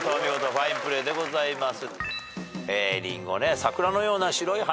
ファインプレーでございます。